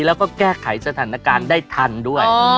แล้วก็แก้ไขสถานการณ์ได้ทันด้วย